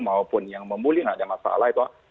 maupun yang memuli tidak ada masalah